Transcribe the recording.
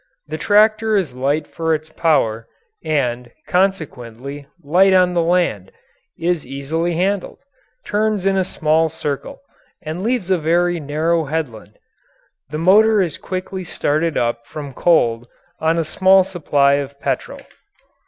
The tractor is light for its power, and, consequently, light on the land, is easily handled, turns in a small circle, and leaves a very narrow headland. The motor is quickly started up from cold on a small supply of petrol.